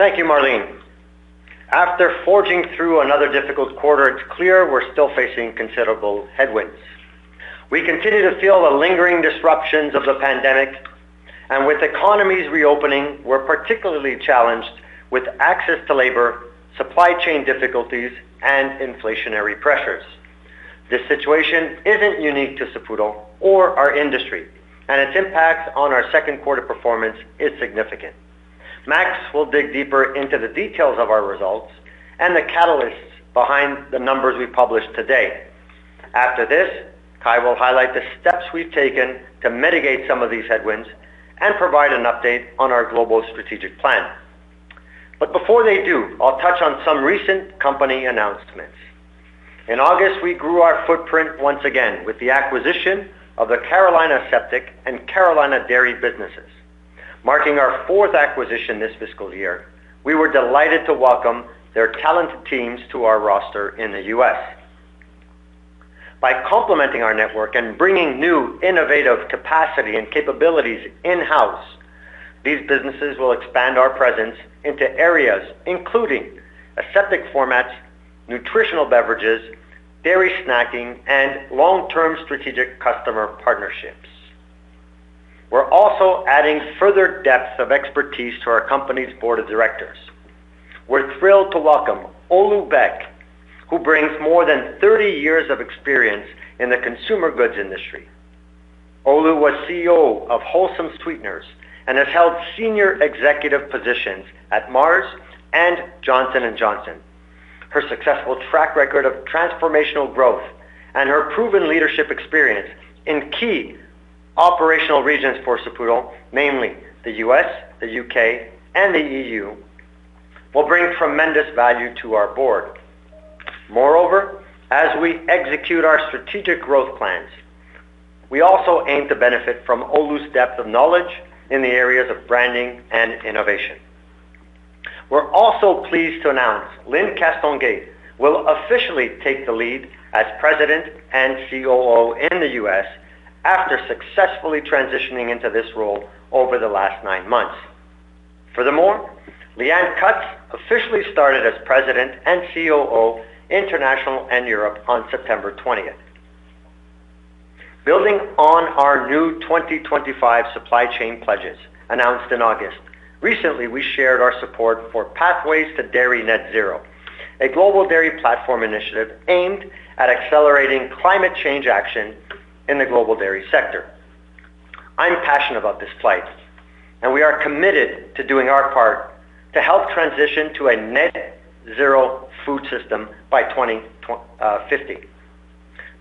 Thank you, Marlene. After forging through another difficult quarter, it's clear we're still facing considerable headwinds. We continue to feel the lingering disruptions of the pandemic, and with economies reopening, we're particularly challenged with access to labor, supply chain difficulties, and inflationary pressures. This situation isn't unique to Saputo or our industry, and its impact on our second quarter performance is significant. Max will dig deeper into the details of our results and the catalysts behind the numbers we published today. After this, Kai will highlight the steps we've taken to mitigate some of these headwinds and provide an update on our global strategic plan. Before they do, I'll touch on some recent company announcements. In August, we grew our footprint once again with the acquisition of the Carolina Aseptic and Carolina Dairy businesses. Marking our fourth acquisition this fiscal year, we were delighted to welcome their talented teams to our roster in the U.S. By complementing our network and bringing new innovative capacity and capabilities in-house, these businesses will expand our presence into areas including aseptic formats, nutritional beverages, dairy snacking, and long-term strategic customer partnerships. We're also adding further depth of expertise to our company's board of directors. We're thrilled to welcome Olu Beck, who brings more than 30 years of experience in the consumer goods industry. Olu was CEO of Wholesome Sweeteners and has held senior executive positions at Mars and Johnson & Johnson. Her successful track record of transformational growth and her proven leadership experience in key operational regions for Saputo, namely the U.S., the U.K., and the EU, will bring tremendous value to our board. Moreover, as we execute our strategic growth plans, we also aim to benefit from Olu's depth of knowledge in the areas of branding and innovation. We're also pleased to announce Lyne Castonguay will officially take the lead as President and COO in the U.S. after successfully transitioning into this role over the last nine months. Furthermore, Leanne Cutts officially started as President and COO International and Europe on September 20. Building on our new 2025 supply chain pledges announced in August, recently, we shared our support for Pathways to Dairy Net Zero, a global dairy platform initiative aimed at accelerating climate change action in the global dairy sector. I'm passionate about this fight, and we are committed to doing our part to help transition to a net zero food system by 2050.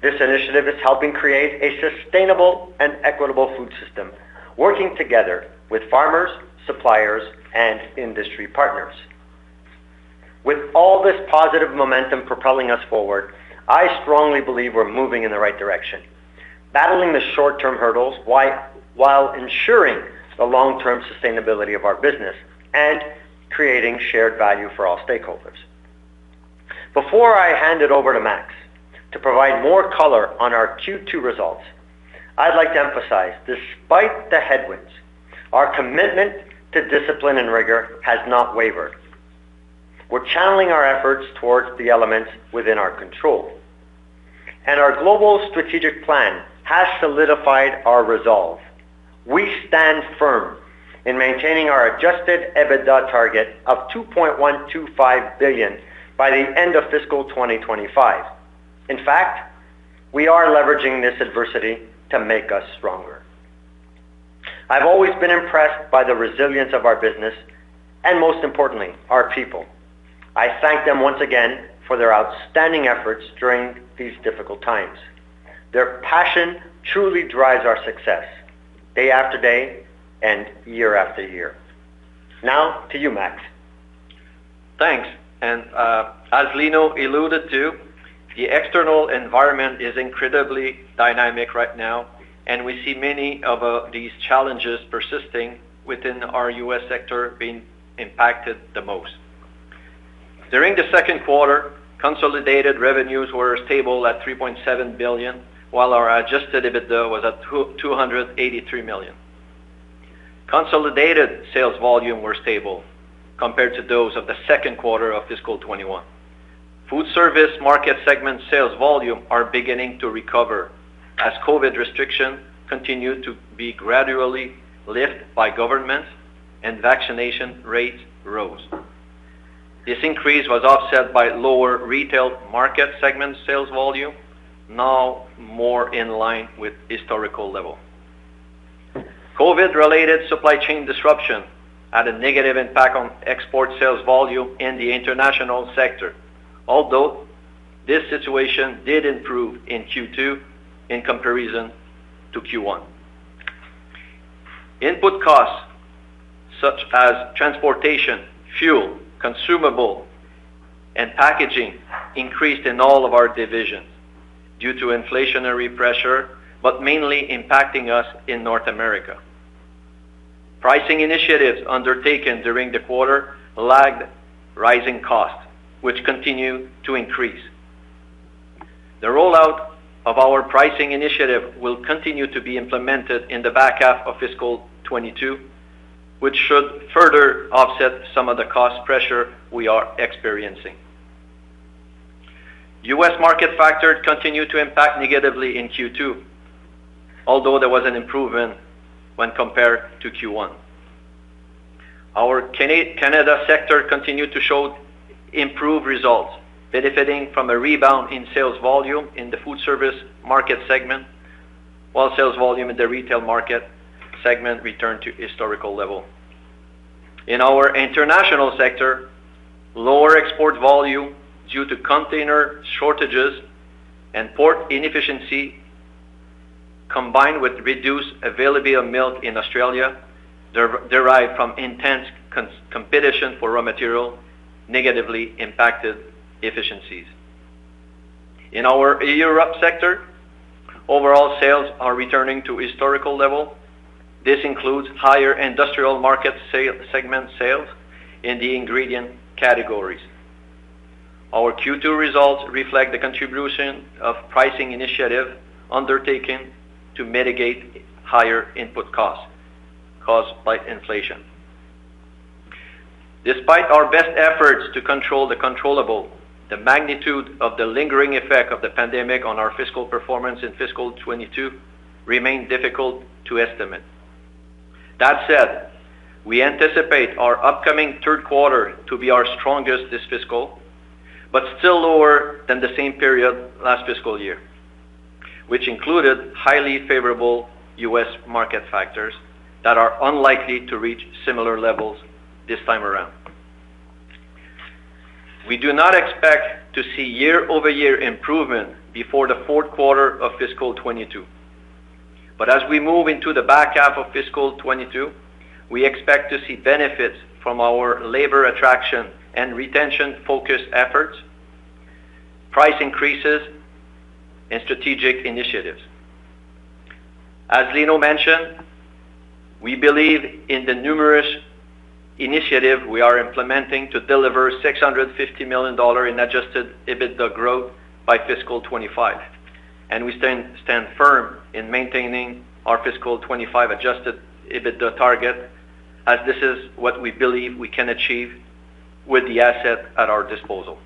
This initiative is helping create a sustainable and equitable food system, working together with farmers, suppliers, and industry partners. With all this positive momentum propelling us forward, I strongly believe we're moving in the right direction, battling the short-term hurdles, while ensuring the long-term sustainability of our business and creating shared value for all stakeholders. Before I hand it over to Max to provide more color on our Q2 results, I'd like to emphasize, despite the headwinds, our commitment to discipline and rigor has not wavered. We're channeling our efforts towards the elements within our control, and our global strategic plan has solidified our resolve. We stand firm in maintaining our adjusted EBITDA target of $2.125 billion by the end of fiscal 2025. In fact, we are leveraging this adversity to make us stronger. I've always been impressed by the resilience of our business and most importantly, our people. I thank them once again for their outstanding efforts during these difficult times. Their passion truly drives our success day after day and year after year. Now, to you, Max. Thanks. As Lino alluded to, the external environment is incredibly dynamic right now, and we see many of these challenges persisting within our U.S. sector being impacted the most. During the second quarter, consolidated revenues were stable at $3.7 billion, while our adjusted EBITDA was at $283 million. Consolidated sales volume were stable compared to those of the second quarter of fiscal 2021. Food service market segment sales volume are beginning to recover as COVID restriction continued to be gradually lift by governments and vaccination rates rose. This increase was offset by lower retail market segment sales volume, now more in line with historical level. COVID-related supply chain disruption had a negative impact on export sales volume in the international sector, although this situation did improve in Q2 in comparison to Q1. Input costs, such as transportation, fuel, consumable, and packaging increased in all of our divisions due to inflationary pressure, but mainly impacting us in North America. Pricing initiatives undertaken during the quarter lagged rising costs, which continue to increase. The rollout of our pricing initiative will continue to be implemented in the back half of fiscal 2022, which should further offset some of the cost pressure we are experiencing. U.S. market factors continued to impact negatively in Q2, although there was an improvement when compared to Q1. Our Canadian sector continued to show improved results, benefiting from a rebound in sales volume in the food service market segment, while sales volume in the retail market segment returned to historical level. In our international sector, lower export volume due to container shortages and port inefficiency, combined with reduced availability of milk in Australia, derived from intense competition for raw material, negatively impacted efficiencies. In our Europe sector, overall sales are returning to historical level. This includes higher industrial market segment sales in the ingredient categories. Our Q2 results reflect the contribution of pricing initiative undertaken to mitigate higher input costs caused by inflation. Despite our best efforts to control the controllable, the magnitude of the lingering effect of the pandemic on our fiscal performance in fiscal 2022 remain difficult to estimate. That said, we anticipate our upcoming third quarter to be our strongest this fiscal, but still lower than the same period last fiscal year, which included highly favorable U.S. market factors that are unlikely to reach similar levels this time around. We do not expect to see year-over-year improvement before the fourth quarter of fiscal 2022. As we move into the back half of fiscal 2022, we expect to see benefits from our labor attraction and retention-focused efforts, price increases, and strategic initiatives. As Lino mentioned, we believe in the numerous initiative we are implementing to deliver $650 million in adjusted EBITDA growth by fiscal 2025, and we stand firm in maintaining our fiscal 2025 adjusted EBITDA target as this is what we believe we can achieve with the asset at our disposal.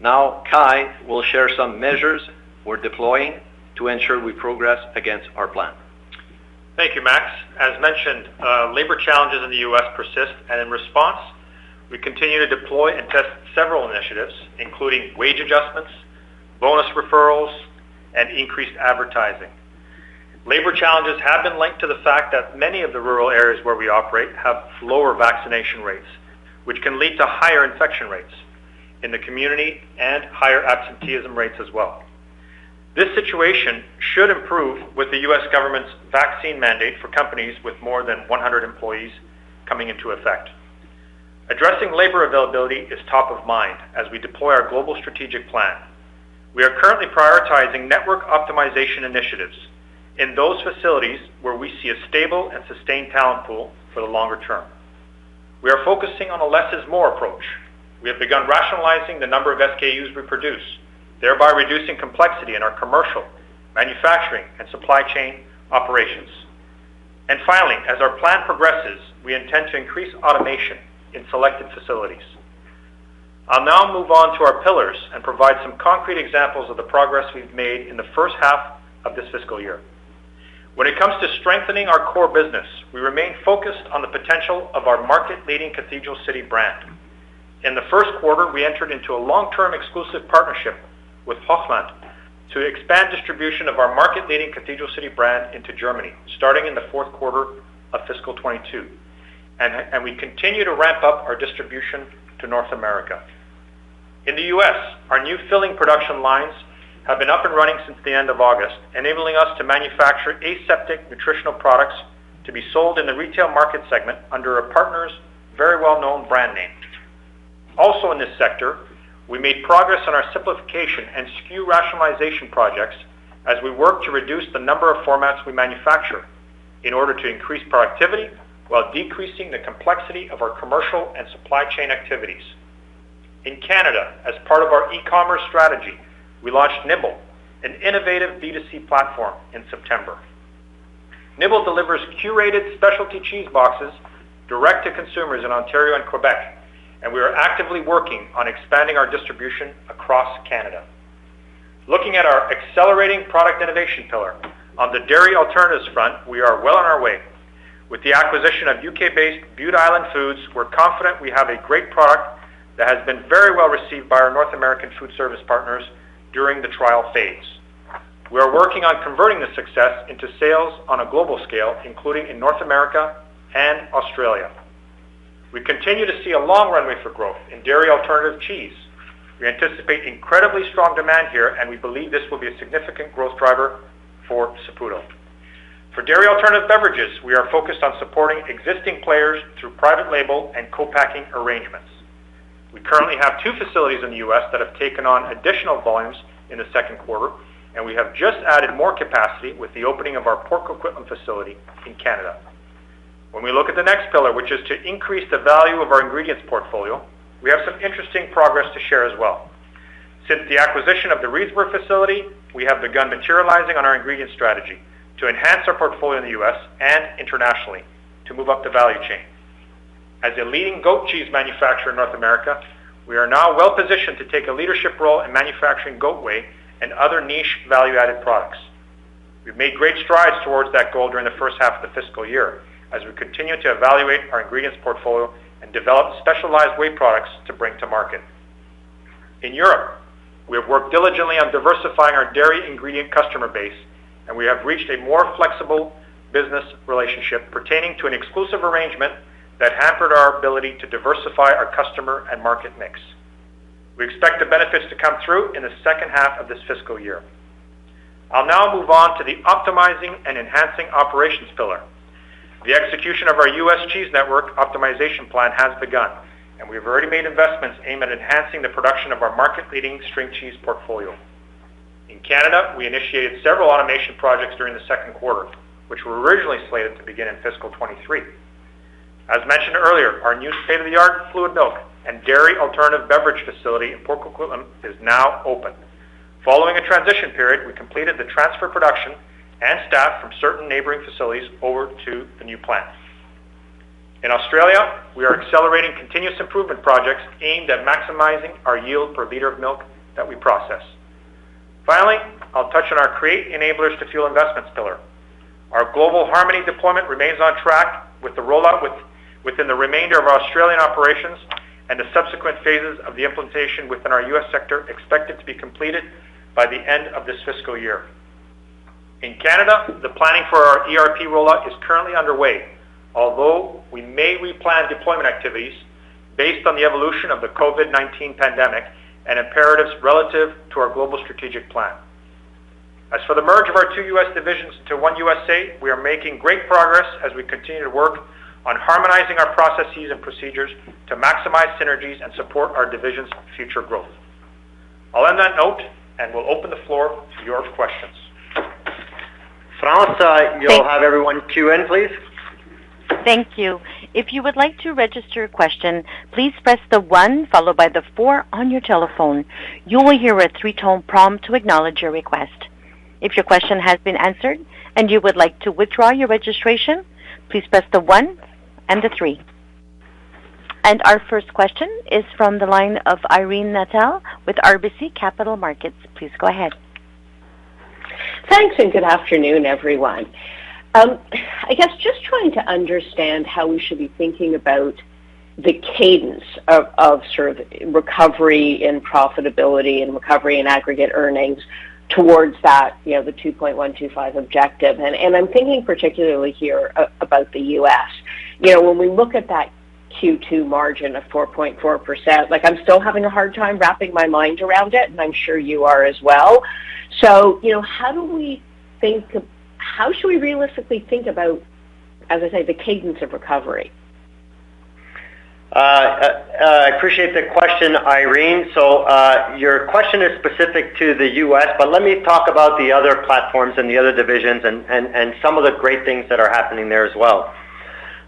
Now, Kai will share some measures we're deploying to ensure we progress against our plan. Thank you, Max. As mentioned, labor challenges in the U.S. persist, and in response, we continue to deploy and test several initiatives, including wage adjustments, bonus referrals, and increased advertising. Labor challenges have been linked to the fact that many of the rural areas where we operate have lower vaccination rates, which can lead to higher infection rates in the community and higher absenteeism rates as well. This situation should improve with the U.S. government's vaccine mandate for companies with more than 100 employees coming into effect. Addressing labor availability is top of mind as we deploy our global strategic plan. We are currently prioritizing network optimization initiatives in those facilities where we see a stable and sustained talent pool for the longer term. We are focusing on a less-is-more approach. We have begun rationalizing the number of SKUs we produce, thereby reducing complexity in our commercial, manufacturing, and supply chain operations. Finally, as our plan progresses, we intend to increase automation in selected facilities. I'll now move on to our pillars and provide some concrete examples of the progress we've made in the first half of this fiscal year. When it comes to strengthening our core business, we remain focused on the potential of our market-leading Cathedral City brand. In the first quarter, we entered into a long-term exclusive partnership with Hochland to expand distribution of our market-leading Cathedral City brand into Germany, starting in the fourth quarter of fiscal 2022. We continue to ramp up our distribution to North America. In the U.S., our new filling production lines have been up and running since the end of August, enabling us to manufacture aseptic nutritional products to be sold in the retail market segment under a partner's very well-known brand name. Also in this sector, we made progress on our simplification and SKU rationalization projects as we work to reduce the number of formats we manufacture in order to increase productivity while decreasing the complexity of our commercial and supply chain activities. In Canada, as part of our e-commerce strategy, we launched Nibbl, an innovative B2C platform, in September. Nibbl delivers curated specialty cheese boxes direct to consumers in Ontario and Quebec, and we are actively working on expanding our distribution across Canada. Looking at our accelerating product innovation pillar, on the dairy alternatives front, we are well on our way. With the acquisition of U.K.-based Bute Island Foods, we're confident we have a great product that has been very well received by our North American food service partners during the trial phase. We are working on converting this success into sales on a global scale, including in North America and Australia. We continue to see a long runway for growth in dairy alternative cheese. We anticipate incredibly strong demand here, and we believe this will be a significant growth driver for Saputo. For dairy alternative beverages, we are focused on supporting existing players through private label and co-packing arrangements. We currently have two facilities in the U.S. that have taken on additional volumes in the second quarter, and we have just added more capacity with the opening of our Port Coquitlam facility in Canada. When we look at the next pillar, which is to increase the value of our ingredients portfolio, we have some interesting progress to share as well. Since the acquisition of the Reedsburg facility, we have begun materializing on our ingredient strategy to enhance our portfolio in the U.S. and internationally to move up the value chain. As a leading goat cheese manufacturer in North America, we are now well-positioned to take a leadership role in manufacturing goat whey and other niche value-added products. We've made great strides towards that goal during the first half of the fiscal year as we continue to evaluate our ingredients portfolio and develop specialized whey products to bring to market. In Europe, we have worked diligently on diversifying our dairy ingredient customer base, and we have reached a more flexible business relationship pertaining to an exclusive arrangement that hampered our ability to diversify our customer and market mix. We expect the benefits to come through in the second half of this fiscal year. I'll now move on to the optimizing and enhancing operations pillar. The execution of our U.S. cheese network optimization plan has begun, and we have already made investments aimed at enhancing the production of our market-leading string cheese portfolio. In Canada, we initiated several automation projects during the second quarter, which were originally slated to begin in fiscal 2023. As mentioned earlier, our new state-of-the-art fluid milk and dairy alternative beverage facility in Port Coquitlam is now open. Following a transition period, we completed the transfer of production and staff from certain neighboring facilities over to the new plant. In Australia, we are accelerating continuous improvement projects aimed at maximizing our yield per liter of milk that we process. Finally, I'll touch on our create enablers to fuel investments pillar. Our global harmony deployment remains on track with the rollout within the remainder of our Australian operations and the subsequent phases of the implementation within our U.S. sector expected to be completed by the end of this fiscal year. In Canada, the planning for our ERP rollout is currently underway, although we may replan deployment activities based on the evolution of the COVID-19 pandemic and imperatives relative to our global strategic plan. As for the merger of our two U.S. divisions to USA One, we are making great progress as we continue to work on harmonizing our processes and procedures to maximize synergies and support our divisions' future growth. I'll end on that note, and we'll open the floor to your questions. Franz, you'll have everyone queue in, please. Thank you. If you would like to register your question, please press one followed by four on your telephone. You will hear a three-tone prompt to acknowledge your request. If your question has been answered and you would like to withdraw your registration, please press one and three. Our first question is from the line of Irene Nattel with RBC Capital Markets. Please go ahead. Thanks, and good afternoon, everyone. I guess just trying to understand how we should be thinking about the cadence of sort of recovery in profitability and recovery in aggregate earnings towards that, you know, the $2.125 billion objective. I'm thinking particularly here about the U.S. You know, when we look at that Q2 margin of 4.4%, like, I'm still having a hard time wrapping my mind around it, and I'm sure you are as well. You know, how should we realistically think about, as I say, the cadence of recovery? I appreciate the question, Irene. Your question is specific to the U.S., but let me talk about the other platforms and the other divisions and some of the great things that are happening there as well.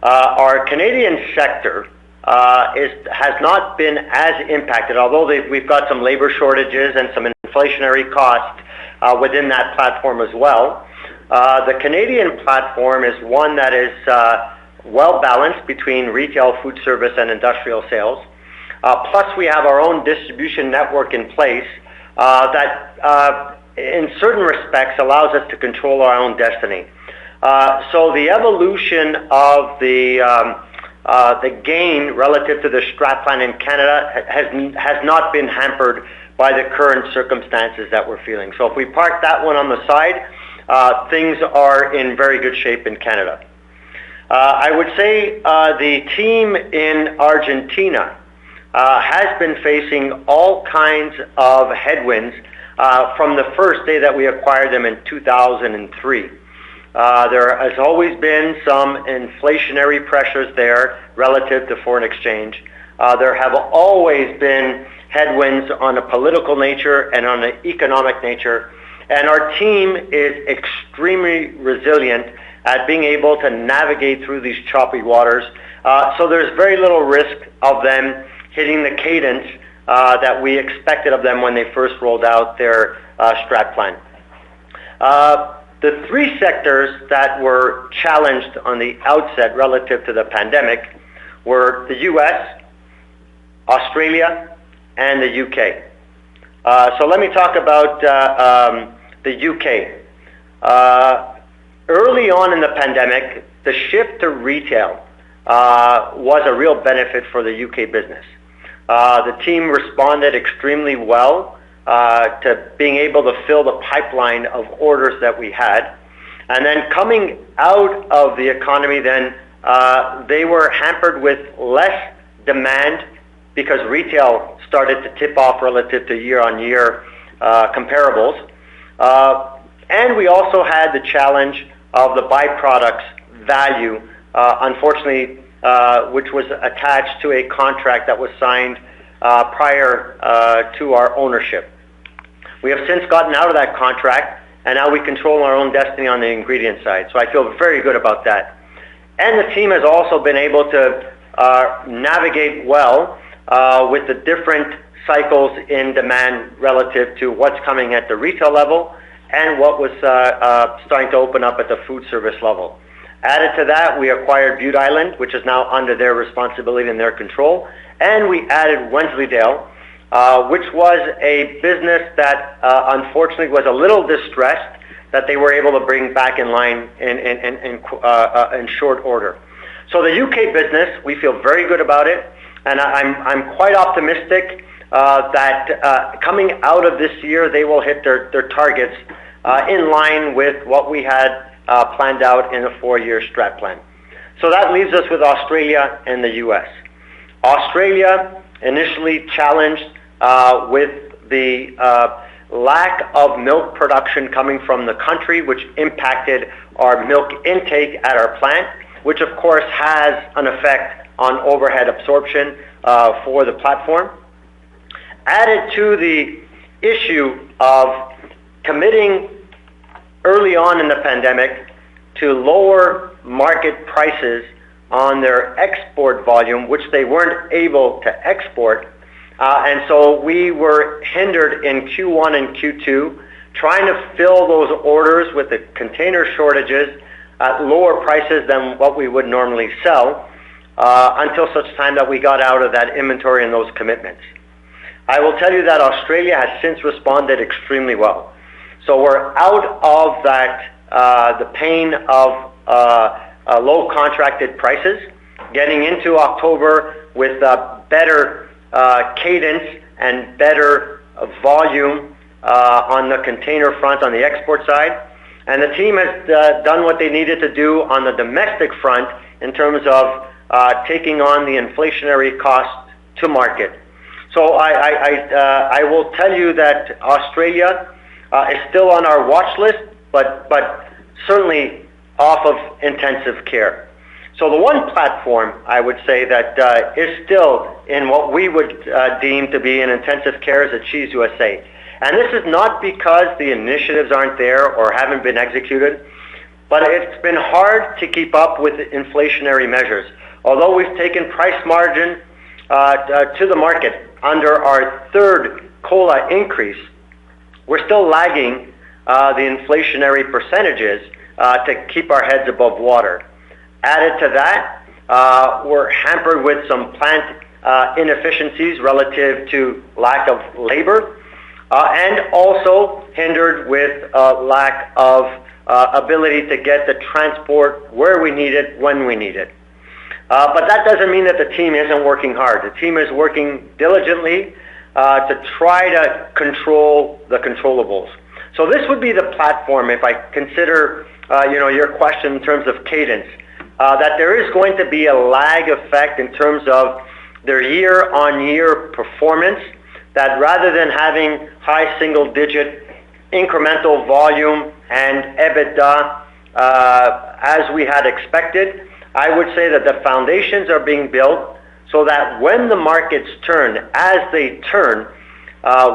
Our Canadian sector has not been as impacted, although we've got some labor shortages and some inflationary costs within that platform as well. The Canadian platform is one that is well-balanced between retail food service and industrial sales. Plus we have our own distribution network in place that in certain respects allows us to control our own destiny. The evolution of the gain relative to the strategic plan in Canada has not been hampered by the current circumstances that we're feeling. If we park that one on the side, things are in very good shape in Canada. I would say, the team in Argentina has been facing all kinds of headwinds, from the first day that we acquired them in 2003. There has always been some inflationary pressures there relative to foreign exchange. There have always been headwinds on a political nature and on an economic nature, and our team is extremely resilient at being able to navigate through these choppy waters. There's very little risk of them hitting the cadence that we expected of them when they first rolled out their strat plan. The three sectors that were challenged on the outset relative to the pandemic were the U.S., Australia, and the U.K. Let me talk about the U.K. Early on in the pandemic, the shift to retail was a real benefit for the U.K. business. The team responded extremely well to being able to fill the pipeline of orders that we had. Coming out of the economy then, they were hampered with less demand because retail started to taper off relative to year-on-year comparables. We also had the challenge of the byproducts value, unfortunately, which was attached to a contract that was signed prior to our ownership. We have since gotten out of that contract, and now we control our own destiny on the ingredient side. I feel very good about that. The team has also been able to navigate well with the different cycles in demand relative to what's coming at the retail level and what was starting to open up at the food service level. Added to that, we acquired Bute Island, which is now under their responsibility and their control. We added Wensleydale, which was a business that unfortunately was a little distressed that they were able to bring back in line in short order. The U.K. business, we feel very good about it, and I'm quite optimistic that coming out of this year, they will hit their targets in line with what we had planned out in a four-year strat plan. That leaves us with Australia and the U.S. Australia initially challenged with the lack of milk production coming from the country, which impacted our milk intake at our plant, which of course has an effect on overhead absorption for the platform. Added to the issue of committing early on in the pandemic to lower market prices on their export volume, which they weren't able to export. We were hindered in Q1 and Q2 trying to fill those orders with the container shortages at lower prices than what we would normally sell, until such time that we got out of that inventory and those commitments. I will tell you that Australia has since responded extremely well. We're out of that, the pain of low contracted prices, getting into October with a better cadence and better volume on the container front on the export side. The team has done what they needed to do on the domestic front in terms of taking on the inflationary cost to market. I will tell you that Australia is still on our watch list, but certainly off of intensive care. The one platform I would say that is still in what we would deem to be in intensive care is at Cheese USA. This is not because the initiatives aren't there or haven't been executed, but it's been hard to keep up with the inflationary measures. Although we've taken price margin to the market under our third COLA increase, we're still lagging the inflationary percentages to keep our heads above water. Added to that, we're hampered with some plant inefficiencies relative to lack of labor, and also hindered with a lack of ability to get the transport where we need it, when we need it. But that doesn't mean that the team isn't working hard. The team is working diligently to try to control the controllables. This would be the platform if I consider, you know, your question in terms of cadence. That there is going to be a lag effect in terms of their year-on-year performance, that rather than having high single digit incremental volume and EBITDA, as we had expected, I would say that the foundations are being built so that when the markets turn as they turn,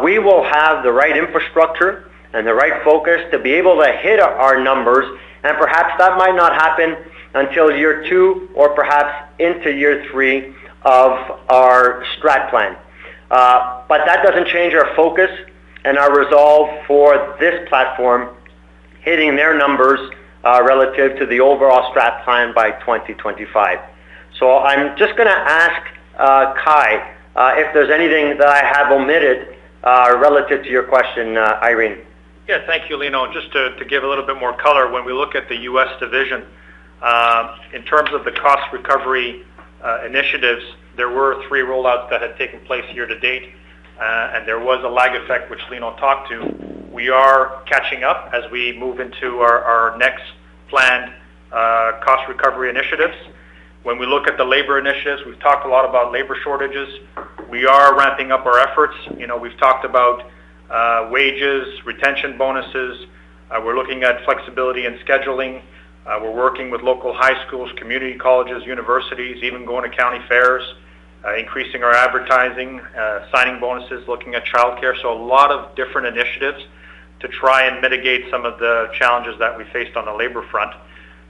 we will have the right infrastructure and the right focus to be able to hit our numbers. Perhaps that might not happen until year two or perhaps into year three of our strat plan. But that doesn't change our focus and our resolve for this platform hitting their numbers, relative to the overall strat plan by 2025. I'm just gonna ask, Kai, if there's anything that I have omitted, relative to your question, Irene. Yeah. Thank you, Lino. Just to give a little bit more color, when we look at the U.S. division, in terms of the cost recovery initiatives, there were three rollouts that had taken place year to date, and there was a lag effect which Lino talked to. We are catching up as we move into our next planned cost recovery initiatives. When we look at the labor initiatives, we've talked a lot about labor shortages. We are ramping up our efforts. You know, we've talked about wages, retention bonuses. We're looking at flexibility and scheduling. We're working with local high schools, community colleges, universities, even going to county fairs, increasing our advertising, signing bonuses, looking at childcare. A lot of different initiatives to try and mitigate some of the challenges that we faced on the labor front.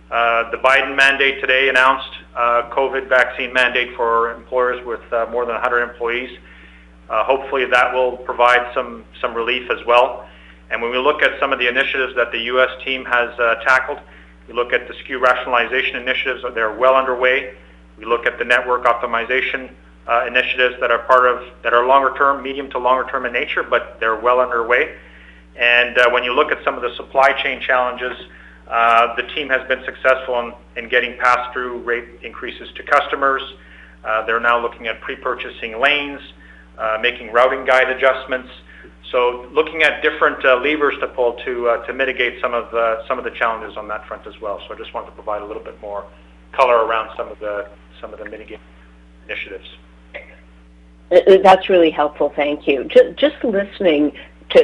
The Biden mandate today announced COVID vaccine mandate for employers with more than 100 employees. Hopefully, that will provide some relief as well. When we look at some of the initiatives that the U.S. team has tackled, we look at the SKU rationalization initiatives. They're well underway. We look at the network optimization initiatives that are longer term, medium to longer term in nature, but they're well underway. When you look at some of the supply chain challenges, the team has been successful in getting pass-through rate increases to customers. They're now looking at pre-purchasing lanes, making routing guide adjustments. Looking at different levers to pull to mitigate some of the challenges on that front as well. I just wanted to provide a little bit more color around some of the mitigation initiatives. That's really helpful. Thank you. Just listening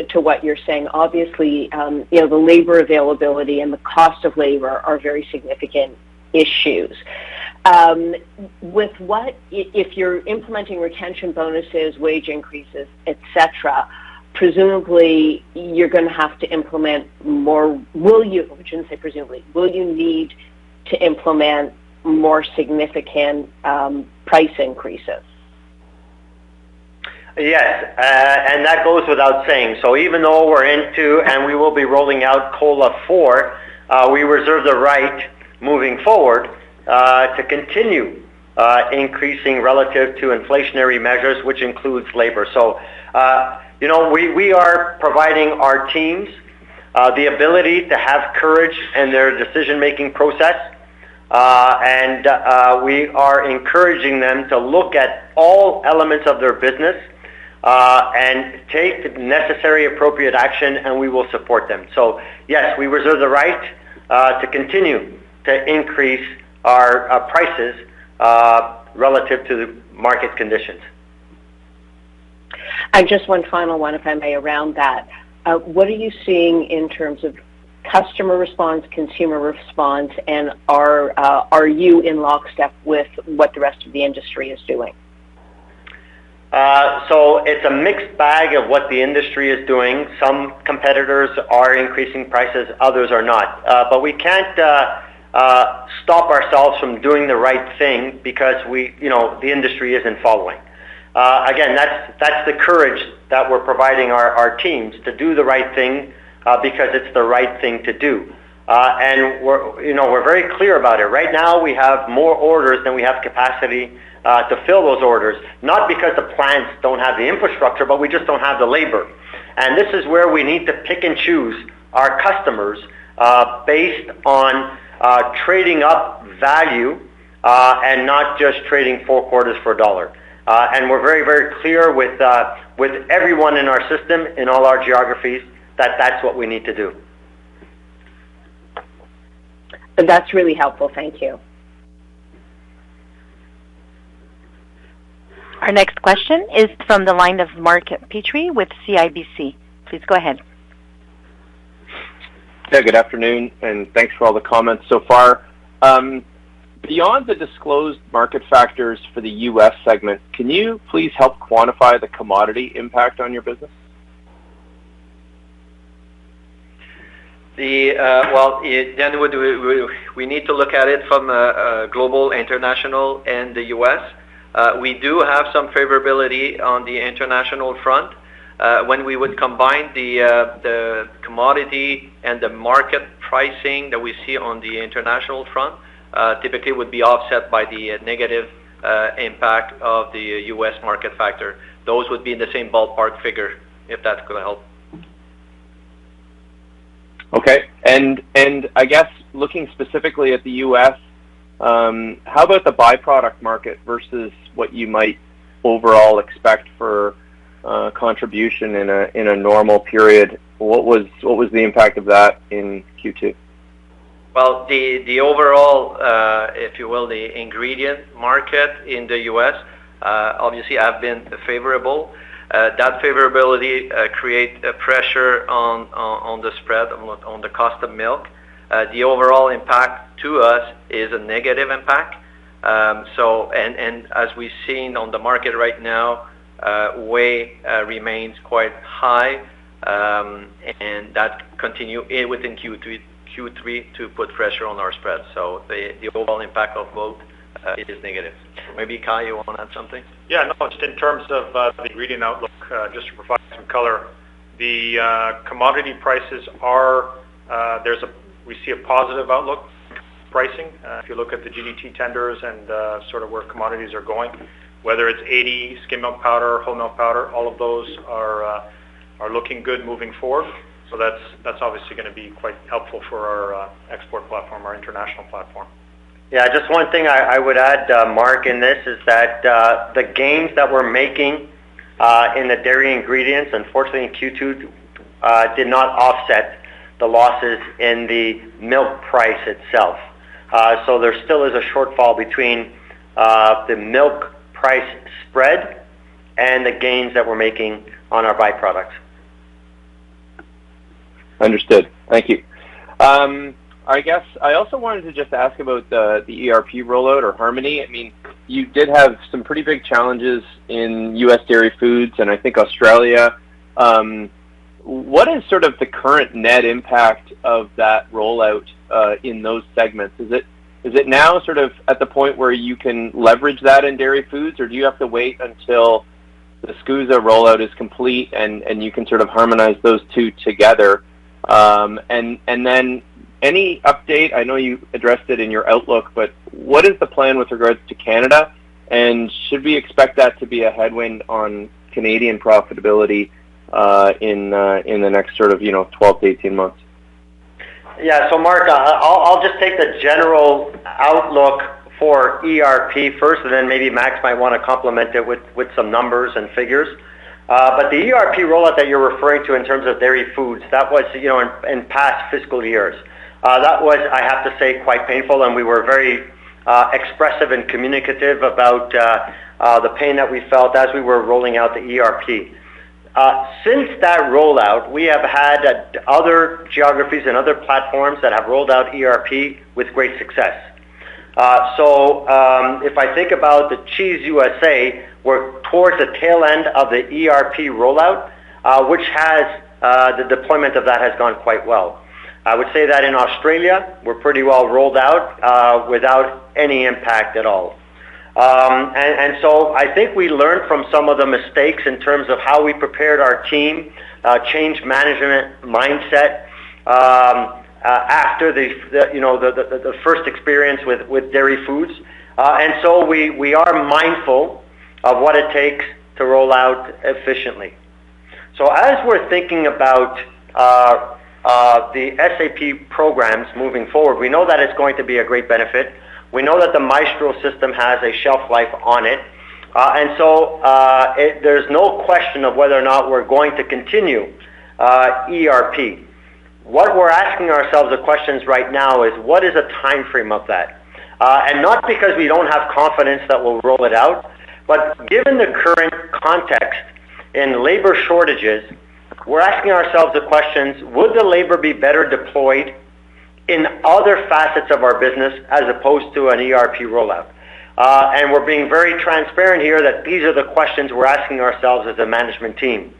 to what you're saying, obviously, you know, the labor availability and the cost of labor are very significant issues. If you're implementing retention bonuses, wage increases, et cetera, presumably you're gonna have to implement more. I shouldn't say presumably. Will you need to implement more significant price increases? Yes, that goes without saying. Even though we will be rolling out COLA four, we reserve the right moving forward to continue increasing relative to inflationary measures, which includes labor. You know, we are providing our teams the ability to have courage in their decision-making process. We are encouraging them to look at all elements of their business and take necessary, appropriate action, and we will support them. Yes, we reserve the right to continue to increase our prices relative to the market conditions. Just one final one, if I may, around that. What are you seeing in terms of customer response, consumer response, and are you in lockstep with what the rest of the industry is doing? It's a mixed bag of what the industry is doing. Some competitors are increasing prices, others are not. We can't stop ourselves from doing the right thing because you know, the industry isn't following. Again, that's the courage that we're providing our teams to do the right thing, because it's the right thing to do. We're, you know, we're very clear about it. Right now, we have more orders than we have capacity to fill those orders, not because the plants don't have the infrastructure, but we just don't have the labor. This is where we need to pick and choose our customers, based on trading up value, and not just trading four quarters for a dollar. We're very, very clear with everyone in our system, in all our geographies, that that's what we need to do. That's really helpful. Thank you. Our next question is from the line of Mark Petrie with CIBC. Please go ahead. Yeah, good afternoon, and thanks for all the comments so far. Beyond the disclosed market factors for the U.S. segment, can you please help quantify the commodity impact on your business? We need to look at it from a global, international, and the U.S. We do have some favorability on the international front. When we would combine the commodity and the market pricing that we see on the international front, typically would be offset by the negative impact of the U.S. market factor. Those would be in the same ballpark figure, if that's gonna help. Okay. I guess looking specifically at the U.S., how about the byproduct market versus what you might overall expect for contribution in a normal period? What was the impact of that in Q2? Well, overall, if you will, the ingredient market in the U.S. obviously have been favorable. That favorability create a pressure on the spread, on the cost of milk. The overall impact to us is a negative impact. As we've seen on the market right now, whey remains quite high, and that continue within Q3 to put pressure on our spread. The overall impact of both it is negative. Maybe, Kai, you wanna add something? Yeah. No, just in terms of the ingredient outlook, just to provide some color. The commodity prices are, we see a positive outlook pricing, if you look at the GDT tenders and sort of where commodities are going. Whether it's 80 skim milk powder, whole milk powder, all of those are looking good moving forward. So that's obviously gonna be quite helpful for our export platform, our international platform. Yeah. Just one thing I would add, Mark, in this is that the gains that we're making in the dairy ingredients, unfortunately, in Q2, did not offset the losses in the milk price itself. So there still is a shortfall between the milk price spread and the gains that we're making on our byproducts. Understood. Thank you. I guess I also wanted to just ask about the ERP rollout or harmony. I mean, you did have some pretty big challenges in U.S. dairy foods and I think Australia. What is sort of the current net impact of that rollout in those segments? Is it now sort of at the point where you can leverage that in dairy foods, or do you have to wait until the SCUSA rollout is complete and you can sort of harmonize those two together? And then any update, I know you addressed it in your outlook, but what is the plan with regards to Canada, and should we expect that to be a headwind on Canadian profitability in the next sort of, you know, 12-18 months? Mark, I'll just take the general outlook for ERP first, and then maybe Max might want to complement it with some numbers and figures. The ERP rollout that you're referring to in terms of dairy foods was, you know, in past fiscal years. That was, I have to say, quite painful, and we were very expressive and communicative about the pain that we felt as we were rolling out the ERP. Since that rollout, we have had other geographies and other platforms that have rolled out ERP with great success. If I think about the Cheese USA, we're towards the tail end of the ERP rollout, which the deployment of that has gone quite well. I would say that in Australia, we're pretty well rolled out without any impact at all. I think we learned from some of the mistakes in terms of how we prepared our team, change management mindset, after the first experience with Dairy Foods. We are mindful of what it takes to roll out efficiently. As we're thinking about the SAP programs moving forward, we know that it's going to be a great benefit. We know that the Maestro system has a shelf life on it. There's no question of whether or not we're going to continue ERP. What we're asking ourselves the questions right now is, what is the timeframe of that? Not because we don't have confidence that we'll roll it out, but given the current context in labor shortages, we're asking ourselves the questions: would the labor be better deployed in other facets of our business as opposed to an ERP rollout? We're being very transparent here that these are the questions we're asking ourselves as a management team.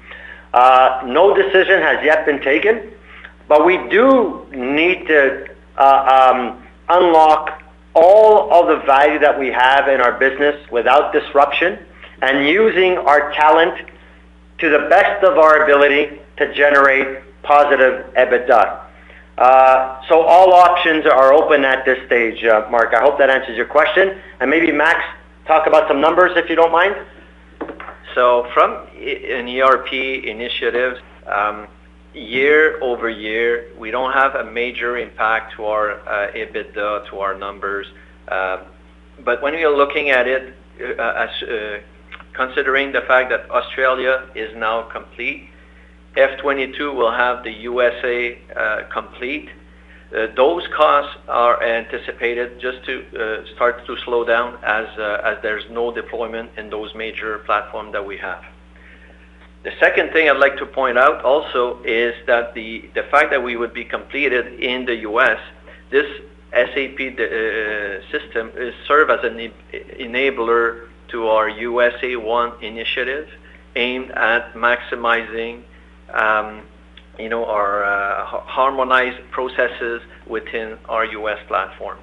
No decision has yet been taken, but we do need to unlock all of the value that we have in our business without disruption and using our talent to the best of our ability to generate positive EBITDA. All options are open at this stage, Mark. I hope that answers your question. Maybe Max, talk about some numbers, if you don't mind. From an ERP initiative, year over year, we don't have a major impact to our EBITDA, to our numbers. When you're looking at it, considering the fact that Australia is now complete, F 2022 will have the USA complete. Those costs are anticipated just to start to slow down as there's no deployment in those major platform that we have. The second thing I'd like to point out also is that the fact that we would be completed in the U.S., this SAP system is serve as an enabler to our USA One initiative aimed at maximizing, you know, our harmonized processes within our U.S. platform.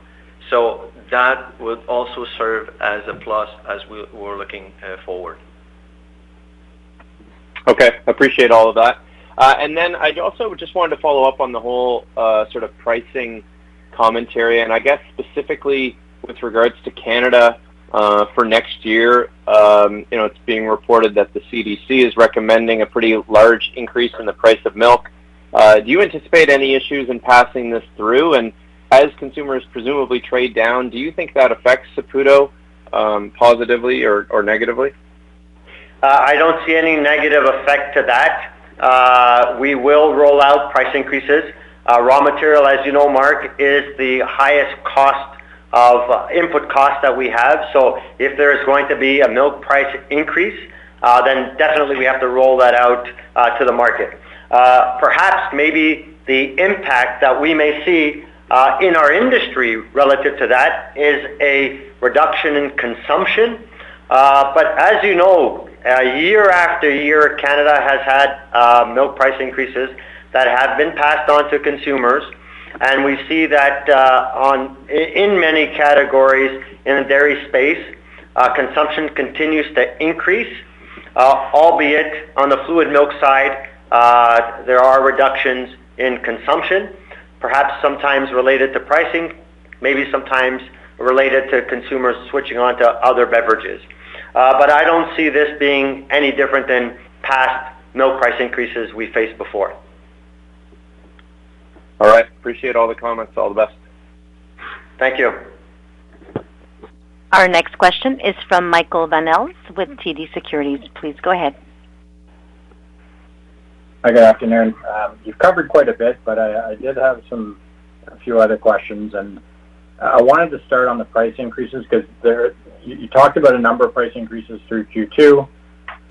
That would also serve as a plus as we're looking forward. Okay. Appreciate all of that. I also just wanted to follow up on the whole, sort of pricing commentary, and I guess specifically with regards to Canada, for next year, you know, it's being reported that the CDC is recommending a pretty large increase in the price of milk. Do you anticipate any issues in passing this through? As consumers presumably trade down, do you think that affects Saputo, positively or negatively? I don't see any negative effect to that. We will roll out price increases. Raw material, as you know, Mark, is the highest cost of input costs that we have. If there is going to be a milk price increase, then definitely we have to roll that out to the market. Perhaps maybe the impact that we may see in our industry relative to that is a reduction in consumption. As you know, year after year, Canada has had milk price increases that have been passed on to consumers. We see that in many categories in the dairy space, consumption continues to increase, albeit on the fluid milk side, there are reductions in consumption, perhaps sometimes related to pricing, maybe sometimes related to consumers switching on to other beverages. I don't see this being any different than past milk price increases we faced before. All right. Appreciate all the comments. All the best. Thank you. Our next question is from Michael Van Aelst with TD Securities. Please go ahead. Hi, good afternoon. You've covered quite a bit, but I did have some, a few other questions, and I wanted to start on the price increases because you talked about a number of price increases through Q2.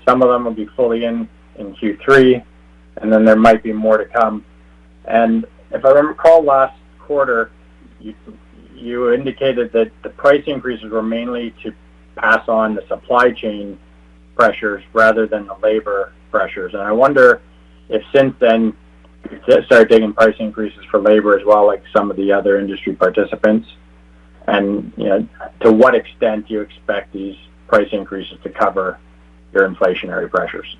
Some of them will be fully in Q3, and then there might be more to come. If I recall last quarter, you indicated that the price increases were mainly to pass on the supply chain pressures rather than the labor pressures. I wonder if since then, you guys started taking price increases for labor as well like some of the other industry participants. You know, to what extent do you expect these price increases to cover your inflationary pressures?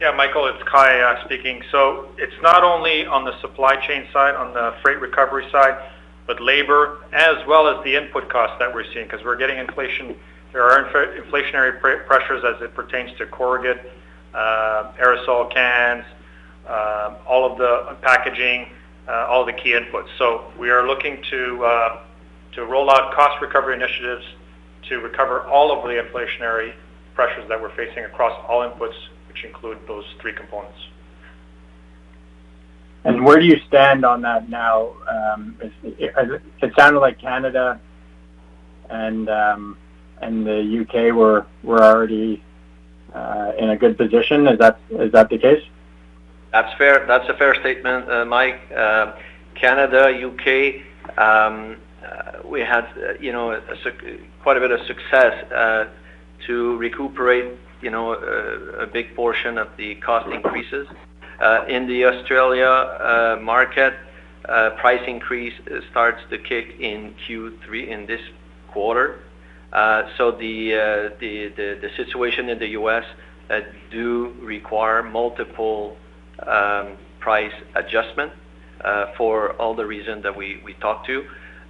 Yeah, Michael, it's Kai speaking. It's not only on the supply chain side, on the freight recovery side, but labor as well as the input costs that we're seeing because we're getting inflation. There are inflationary pressures as it pertains to corrugate, aerosol cans, all of the packaging, all the key inputs. We are looking to roll out cost recovery initiatives to recover all of the inflationary pressures that we're facing across all inputs, which include those three components. Where do you stand on that now? It sounded like Canada and the U.K. were already in a good position. Is that the case? That's fair. That's a fair statement, Mike. Canada, U.K., we had, you know, quite a bit of success to recuperate, you know, a big portion of the cost increases. In the Australian market, price increase starts to kick in Q3 in this quarter. So the situation in the U.S. that do require multiple price adjustment for all the reasons that we talked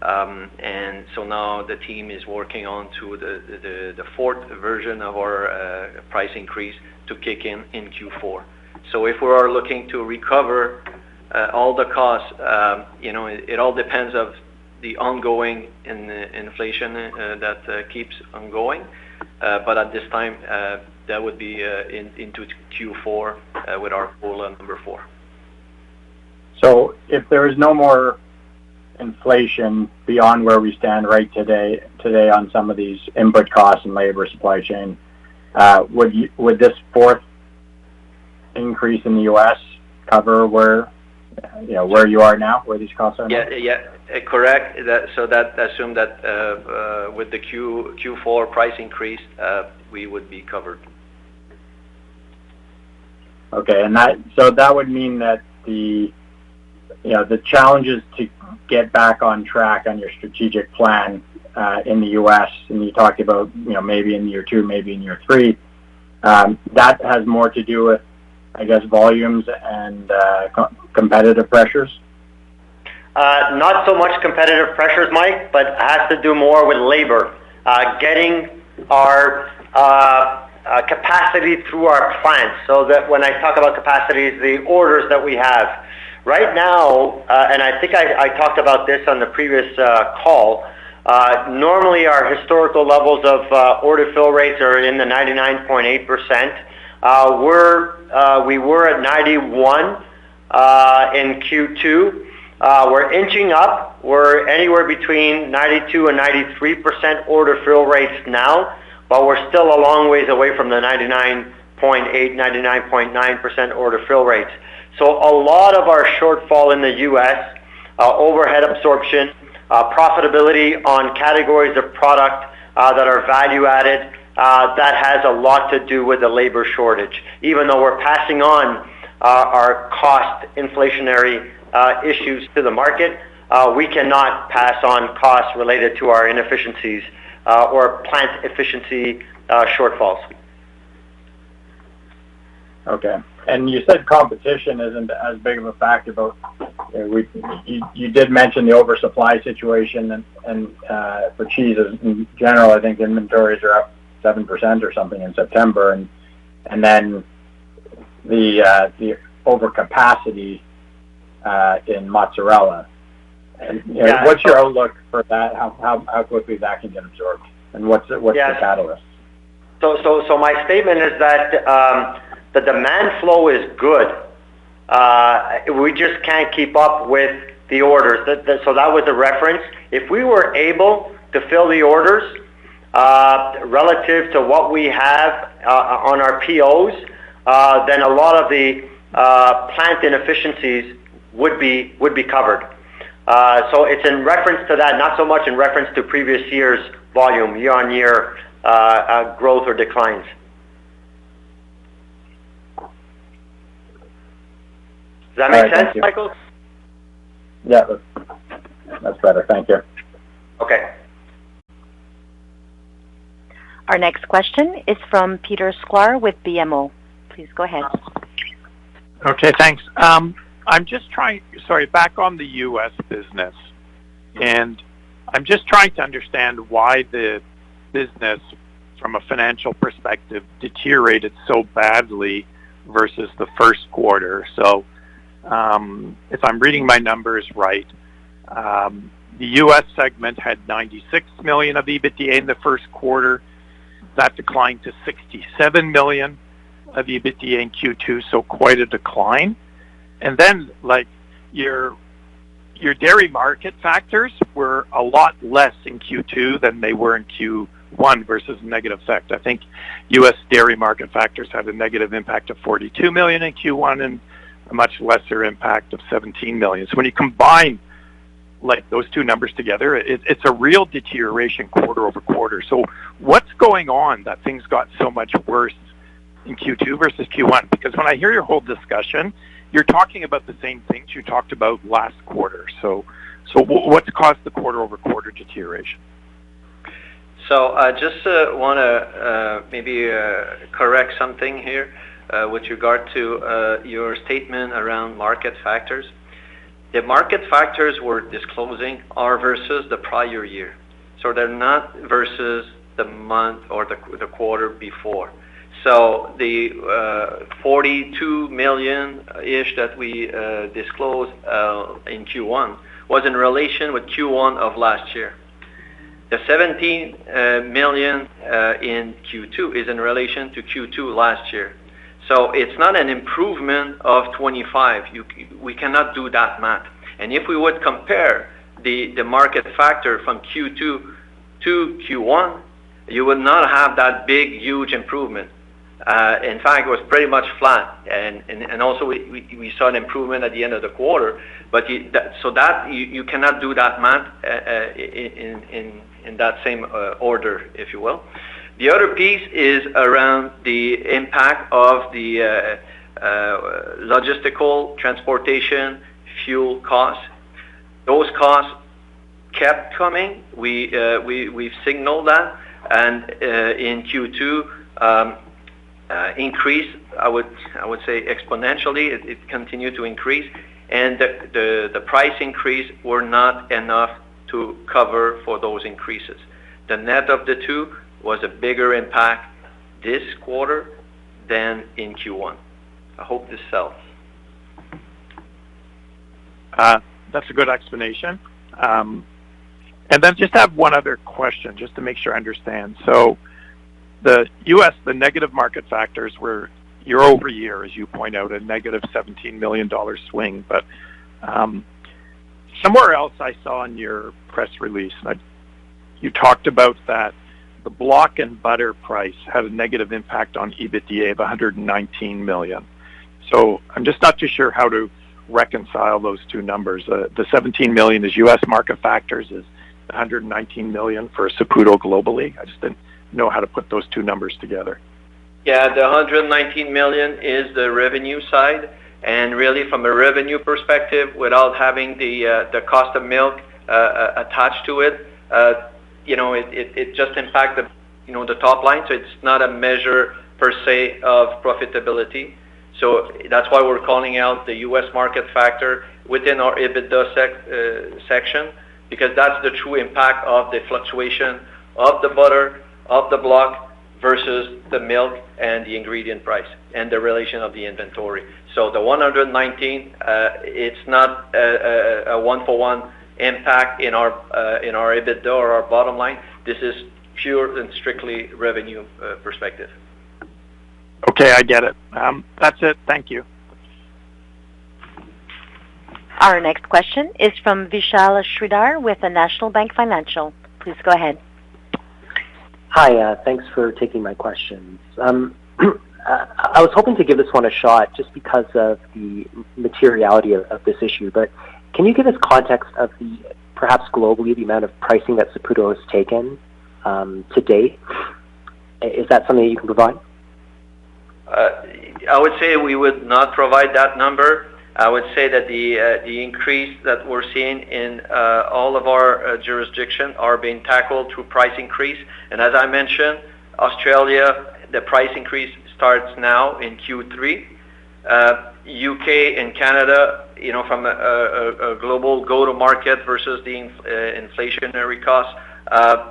about. Now the team is working on the fourth version of our price increase to kick in in Q4. If we are looking to recover all the costs, you know, it all depends on the ongoing inflation that keeps on going. But at this time, that would be into Q4 with our coal in Q4.. If there is no more inflation beyond where we stand right today on some of these input costs and labor supply chain, would this fourth increase in the U.S. cover where, you know, where you are now, where these costs are now? Yeah. Correct. That assumes that with the Q4 price increase, we would be covered. Okay. That would mean that the, you know, the challenges to get back on track on your strategic plan, in the U.S., and you talked about, you know, maybe in year two, maybe in year three, that has more to do with, I guess, volumes and competitive pressures? Not so much competitive pressures, Mike, but has to do more with labor, getting our capacity through our clients, so that when I talk about capacity, the orders that we have. Right now, I think I talked about this on the previous call. Normally our historical levels of order fill rates are in the 99.8%. We were at 91 in Q2. We're inching up. We're anywhere between 92%-93% order fill rates now, but we're still a long ways away from the 99.8%-99.9% order fill rates. A lot of our shortfall in the U.S. overhead absorption profitability on categories of product that are value added that has a lot to do with the labor shortage. Even though we're passing on our cost inflationary issues to the market, we cannot pass on costs related to our inefficiencies or plant efficiency shortfalls. Okay. You said competition isn't as big of a factor, but you did mention the oversupply situation and for cheeses in general, I think inventories are up 7% or something in September. Then the overcapacity in mozzarella. What's your outlook for that? How quickly that can get absorbed? What's the catalyst? My statement is that the demand flow is good. We just can't keep up with the orders. That was the reference. If we were able to fill the orders relative to what we have on our POs, then a lot of the plant inefficiencies would be covered. It's in reference to that, not so much in reference to previous years' volume, year-on-year growth or declines. Does that make sense, Michael? Yeah. That's better. Thank you. Okay. Our next question is from Peter Sklar with BMO. Please go ahead. Okay, thanks. Sorry, back on the U.S. business, and I'm just trying to understand why the business from a financial perspective deteriorated so badly versus the first quarter. If I'm reading my numbers right, the U.S. segment had $96 million of EBITDA in the first quarter. That declined to $67 million of EBITDA in Q2, so quite a decline. Your dairy market factors were a lot less in Q2 than they were in Q1 versus negative effect. I think U.S. dairy market factors have a negative impact of $42 million in Q1 and a much lesser impact of $17 million. When you combine, like, those two numbers together, it's a real deterioration quarter-over-quarter. What's going on that things got so much worse in Q2 versus Q1? Because when I hear your whole discussion, you're talking about the same things you talked about last quarter. What caused the quarter-over-quarter deterioration? I just wanna maybe correct something here with regard to your statement around market factors. The market factors we're disclosing are versus the prior year, so they're not versus the month or the quarter before. The $42 million-ish that we disclosed in Q1 was in relation with Q1 of last year. The $17 million in Q2 is in relation to Q2 last year. It's not an improvement of $25 million. We cannot do that math. If we would compare the market factor from Q2 to Q1, you will not have that big, huge improvement. In fact, it was pretty much flat. Also we saw an improvement at the end of the quarter. That you cannot do that math in that same order, if you will. The other piece is around the impact of the logistical transportation, fuel costs. Those costs kept coming. We've signaled that, and in Q2 increased, I would say exponentially, it continued to increase, and the price increase were not enough to cover for those increases. The net of the two was a bigger impact this quarter than in Q1. I hope this helps. That's a good explanation. I just have one other question just to make sure I understand. The U.S., the negative market factors were year-over-year, as you point out, a negative $17 million swing. Somewhere else I saw in your press release, like you talked about that the block and butter price had a negative impact on EBITDA of $119 million. I'm just not too sure how to reconcile those two numbers. The $17 million is U.S. market factors, is the $119 million for Saputo globally. I just didn't know how to put those two numbers together. Yeah. The $119 million is the revenue side. Really from a revenue perspective, without having the cost of milk attached to it, you know, it just impacted, you know, the top line. It's not a measure per se of profitability. That's why we're calling out the U.S. market factor within our EBITDA section, because that's the true impact of the fluctuation of the butter, of the block versus the milk and the ingredient price and the relation of the inventory. The $119 million, it's not a one for one impact in our EBITDA or our bottom line. This is pure and strictly revenue perspective. Okay, I get it. That's it. Thank you. Our next question is from Vishal Shreedhar with National Bank Financial. Please go ahead. Hi. Thanks for taking my questions. I was hoping to give this one a shot just because of the materiality of this issue. Can you give us context of the, perhaps globally, the amount of pricing that Saputo has taken, to date? Is that something you can provide? I would say we would not provide that number. I would say that the increase that we're seeing in all of our jurisdiction are being tackled through price increase. As I mentioned, Australia, the price increase starts now in Q3. U.K. and Canada, you know, from a global go-to-market versus the inflationary cost,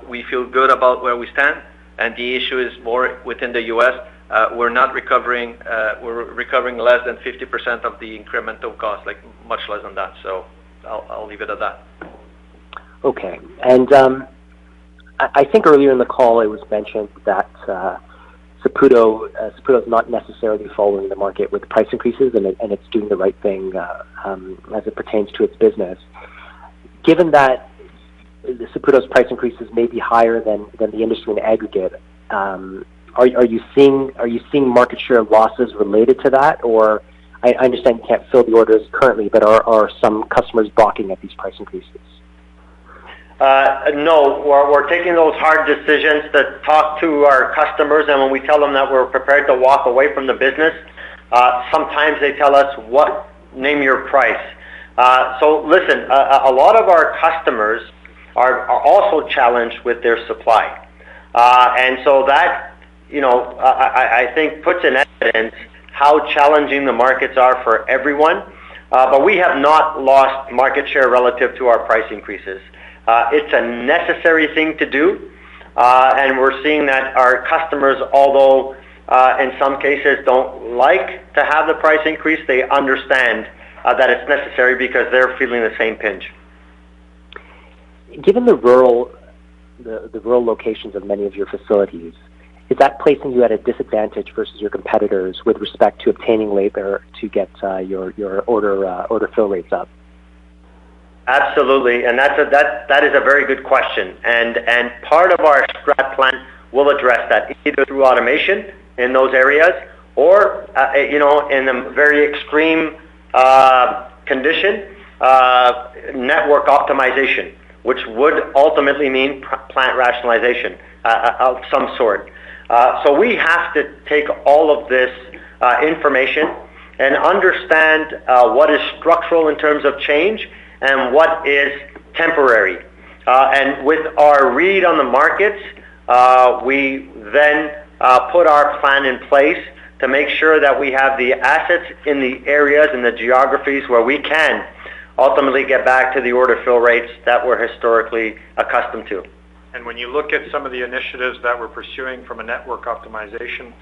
we feel good about where we stand, and the issue is more within the U.S. We're not recovering, we're recovering less than 50% of the incremental cost, like much less than that. I'll leave it at that. Okay. I think earlier in the call it was mentioned that Saputo is not necessarily following the market with price increases, and it's doing the right thing as it pertains to its business. Given that Saputo's price increases may be higher than the industry in aggregate, are you seeing market share losses related to that? Or I understand you can't fill the orders currently, but are some customers balking at these price increases? No. We're taking those hard decisions that talk to our customers, and when we tell them that we're prepared to walk away from the business, sometimes they tell us, "What? Name your price." Listen, a lot of our customers are also challenged with their supply. That, you know, I think puts in evidence how challenging the markets are for everyone. We have not lost market share relative to our price increases. It's a necessary thing to do, and we're seeing that our customers, although in some cases don't like to have the price increase, they understand that it's necessary because they're feeling the same pinch. Given the rural locations of many of your facilities, is that placing you at a disadvantage versus your competitors with respect to obtaining labor to get your order fill rates up? Absolutely. That's a very good question. Part of our CapEx plan will address that either through automation in those areas or in a very extreme condition, network optimization, which would ultimately mean plant rationalization of some sort. We have to take all of this information and understand what is structural in terms of change and what is temporary. With our read on the markets, we then put our plan in place to make sure that we have the assets in the areas, in the geographies where we can ultimately get back to the order fill rates that we're historically accustomed to. When you look at some of the initiatives that we're pursuing from a network optimization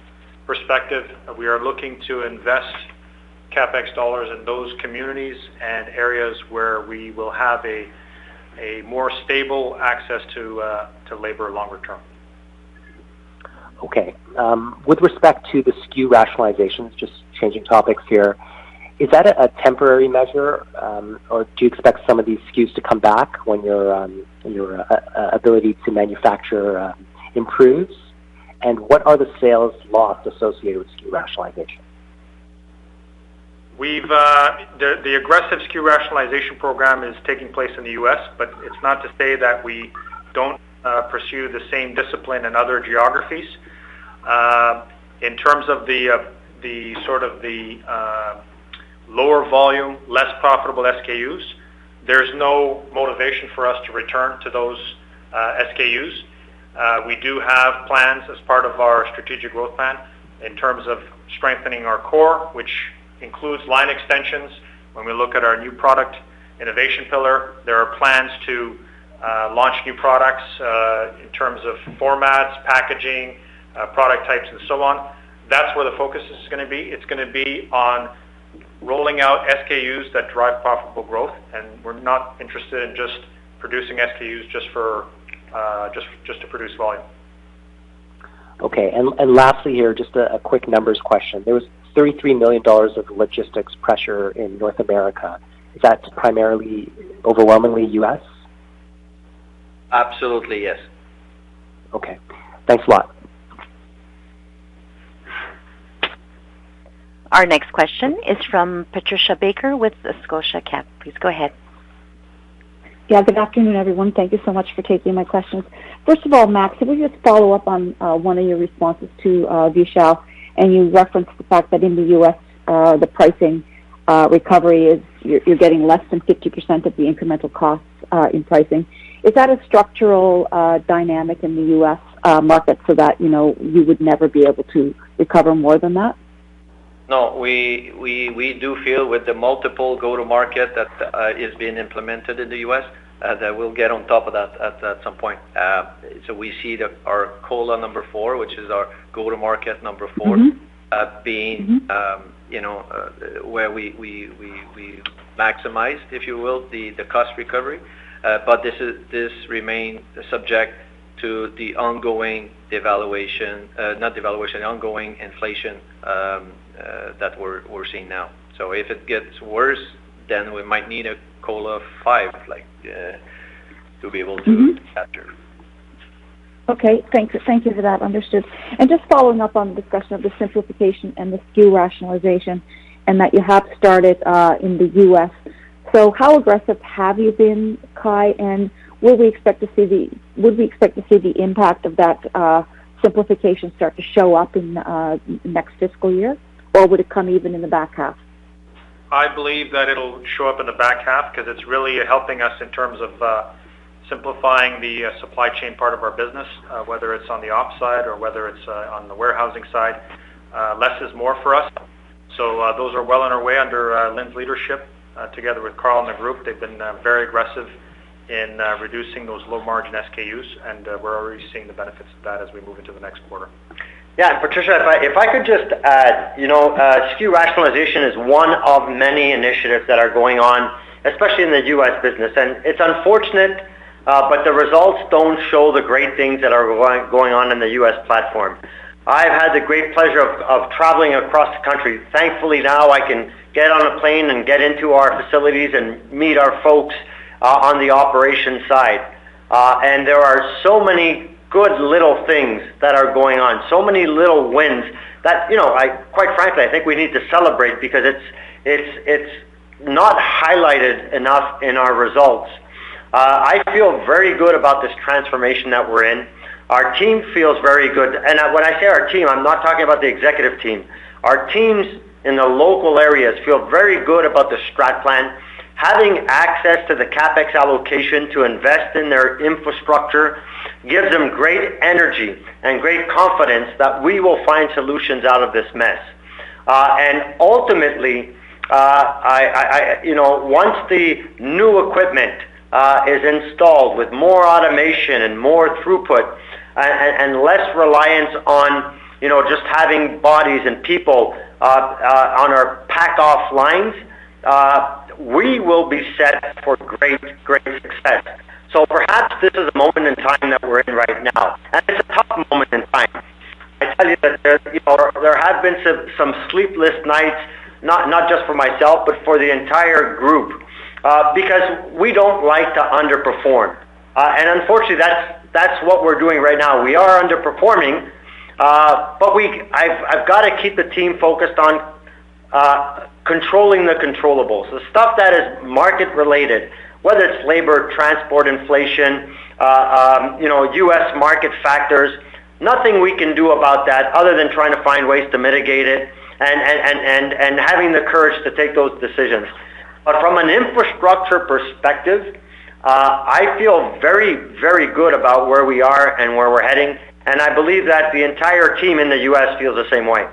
perspective, we are looking to invest. CapEx dollars in those communities and areas where we will have a more stable access to labor longer term. Okay. With respect to the SKU rationalization, just changing topics here, is that a temporary measure? Or do you expect some of these SKUs to come back when your ability to manufacture improves? What are the sales loss associated with SKU rationalization? We have the aggressive SKU rationalization program taking place in the U.S., but it's not to say that we don't pursue the same discipline in other geographies. In terms of the sort of lower volume, less profitable SKUs, there's no motivation for us to return to those SKUs. We do have plans as part of our strategic growth plan in terms of strengthening our core, which includes line extensions. When we look at our new product innovation pillar, there are plans to launch new products in terms of formats, packaging, product types, and so on. That's where the focus is gonna be. It's gonna be on rolling out SKUs that drive profitable growth, and we're not interested in just producing SKUs just to produce volume. Okay. Lastly here, just a quick numbers question. There was $33 million of logistics pressure in North America. Is that primarily, overwhelmingly U.S.? Absolutely, yes. Okay. Thanks a lot. Our next question is from Patricia Baker with the Scotia Capital. Please go ahead. Yeah, good afternoon, everyone. Thank you so much for taking my questions. First of all, Max, can we just follow up on one of your responses to Vishal, and you referenced the fact that in the U.S., the pricing recovery, you're getting less than 50% of the incremental costs in pricing. Is that a structural dynamic in the U.S. market so that, you know, we would never be able to recover more than that? No, we do feel with the multiple go-to-market that is being implemented in the U.S. that we'll get on top of that at some point. We see that our call on number four, which is our go-to-market number four- Mm-hmm you know where we maximize, if you will, the cost recovery. This remains subject to the ongoing devaluation, not devaluation, ongoing inflation that we're seeing now. If it gets worse, then we might need a call of five, like, to be able to Mm-hmm. -capture. Okay, thanks. Thank you for that. Understood. Just following up on the discussion of the simplification and the SKU rationalization and that you have started in the U.S. So how aggressive have you been, Kai, and would we expect to see the impact of that simplification start to show up in next fiscal year? Or would it come even in the back half? I believe that it'll show up in the back half 'cause it's really helping us in terms of simplifying the supply chain part of our business, whether it's on the op side or whether it's on the warehousing side. Less is more for us. Those are well on our way under Lyne's leadership, together with Carl and the group. They've been very aggressive in reducing those low-margin SKUs, and we're already seeing the benefits of that as we move into the next quarter. Yeah, Patricia, if I could just add, you know, SKU rationalization is one of many initiatives that are going on, especially in the U.S. business. It's unfortunate, but the results don't show the great things that are going on in the U.S. platform. I've had the great pleasure of traveling across the country. Thankfully, now I can get on a plane and get into our facilities and meet our folks on the operation side. There are so many good little things that are going on, so many little wins that, you know, I, quite frankly, think we need to celebrate because it's not highlighted enough in our results. I feel very good about this transformation that we're in. Our team feels very good. When I say our team, I'm not talking about the executive team. Our teams in the local areas feel very good about the strat plan. Having access to the CapEx allocation to invest in their infrastructure gives them great energy and great confidence that we will find solutions out of this mess. Ultimately, I you know, once the new equipment is installed with more automation and more throughput and less reliance on, you know, just having bodies and people on our pack off lines, we will be set for great success. Perhaps this is a moment in time that we're in right now, and it's a tough moment in time. I tell you that there's, you know, there have been some sleepless nights, not just for myself, but for the entire group, because we don't like to underperform. Unfortunately, that's what we're doing right now. We are underperforming, but I've gotta keep the team focused on controlling the controllables. The stuff that is market-related, whether it's labor, transport, inflation, you know, U.S. market factors, nothing we can do about that other than trying to find ways to mitigate it and having the courage to take those decisions. From an infrastructure perspective, I feel very, very good about where we are and where we're heading, and I believe that the entire team in the U.S. feels the same way.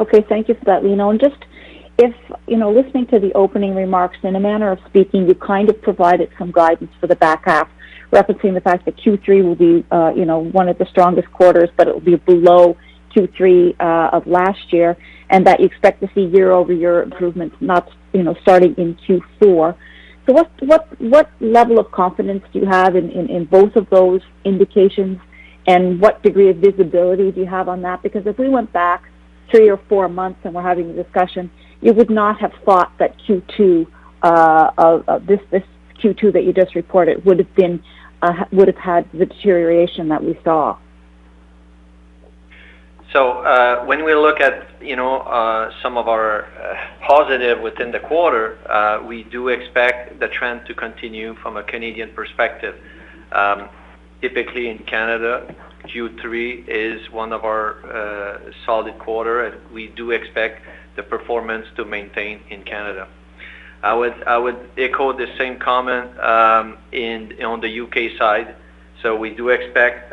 Okay, thank you for that, Lino. If, you know, listening to the opening remarks in a manner of speaking, you kind of provided some guidance for the back half, referencing the fact that Q3 will be, you know, one of the strongest quarters, but it will be below Q3 of last year, and that you expect to see year-over-year improvements, not, you know, starting in Q4. What level of confidence do you have in both of those indications? What degree of visibility do you have on that? Because if we went back three or four months and we're having a discussion, you would not have thought that Q2 of this Q2 that you just reported would have had the deterioration that we saw. When we look at, you know, some of our positive within the quarter, we do expect the trend to continue from a Canadian perspective. Typically in Canada, Q3 is one of our solid quarter, and we do expect the performance to maintain in Canada. I would echo the same comment on the U.K. side. We do expect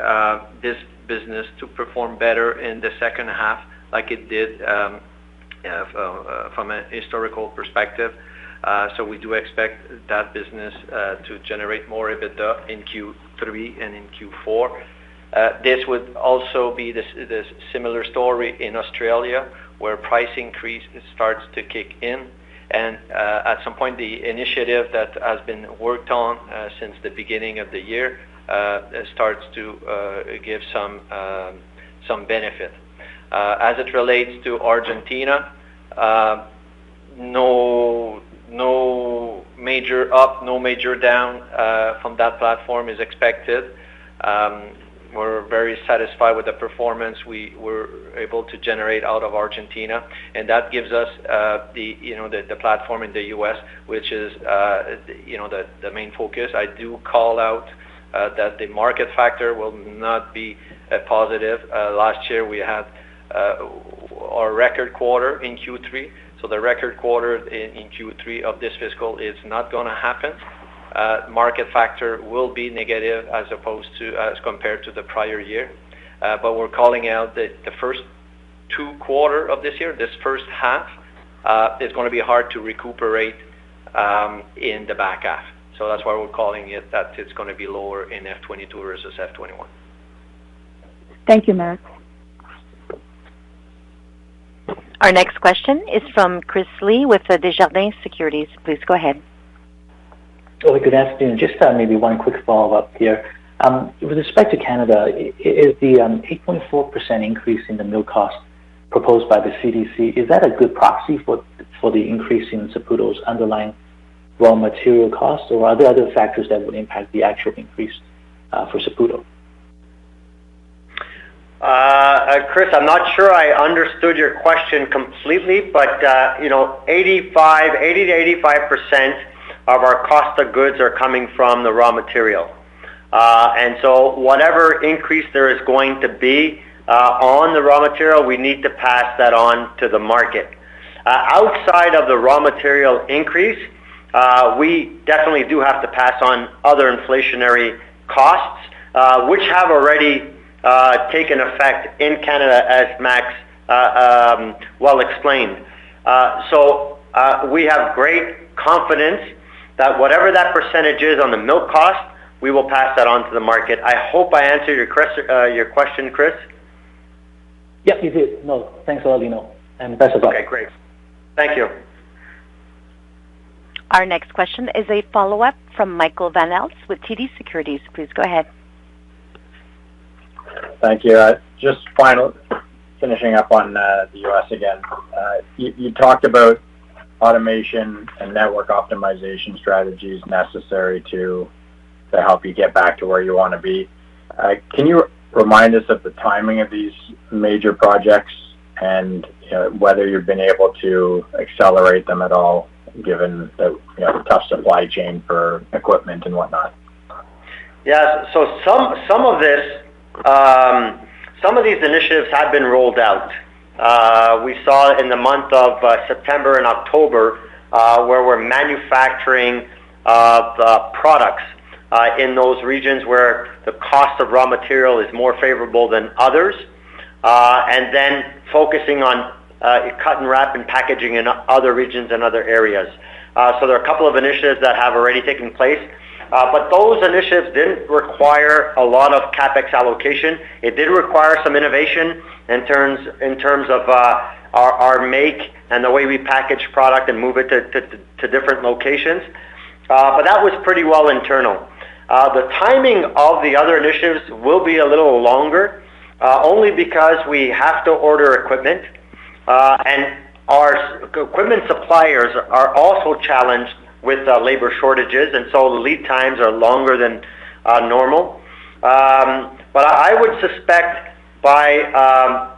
this business to perform better in the second half like it did, you know, from a historical perspective. We do expect that business to generate more EBITDA in Q3 and in Q4. This would also be the similar story in Australia, where price increase starts to kick in. At some point, the initiative that has been worked on since the beginning of the year starts to give some benefit. As it relates to Argentina, no major up, no major down from that platform is expected. We're very satisfied with the performance we were able to generate out of Argentina, and that gives us you know, the platform in the U.S., which is you know, the main focus. I do call out that the market factor will not be a positive. Last year, we had our record quarter in Q3, so the record quarter in Q3 of this fiscal is not gonna happen. Market factor will be negative as opposed to, as compared to the prior year. We're calling out that the first two quarters of this year, this first half, is gonna be hard to recuperate in the back half. That's why we're calling it that it's gonna be lower in F 2022 versus F 2021. Thank you, Max. Our next question is from Chris Li with Desjardins Securities. Please go ahead. Good afternoon. Just maybe one quick follow-up here. With respect to Canada, is the 8.4% increase in the milk cost proposed by the CDC a good proxy for the increase in Saputo's underlying raw material costs or are there other factors that would impact the actual increase for Saputo? Chris, I'm not sure I understood your question completely, but you know, 5% of our cost of goods are coming from the raw material. Whatever increase there is going to be on the raw material, we need to pass that on to the market. Outside of the raw material increase, we definitely do have to pass on other inflationary costs, which have already taken effect in Canada, as Max well explained. We have great confidence that whatever that percentage is on the milk cost, we will pass that on to the market. I hope I answered your question, Chris. Yep, you did. No. Thanks a lot, Lino. Best of luck. Okay, great. Thank you. Our next question is a follow-up from Michael Van Aelst with TD Securities. Please go ahead. Thank you. Just finishing up on the U.S. again. You talked about automation and network optimization strategies necessary to help you get back to where you want to be. Can you remind us of the timing of these major projects and whether you've been able to accelerate them at all given the tough supply chain for equipment and whatnot? Yeah. Some of these initiatives have been rolled out. We saw in the month of September and October where we're manufacturing the products in those regions where the cost of raw material is more favorable than others and then focusing on cut and wrap and packaging in other regions and other areas. There are a couple of initiatives that have already taken place. Those initiatives didn't require a lot of CapEx allocation. It did require some innovation in terms of our make and the way we package product and move it to different locations. That was pretty well internal. The timing of the other initiatives will be a little longer, only because we have to order equipment, and our equipment suppliers are also challenged with the labor shortages, and so the lead times are longer than normal. I would suspect by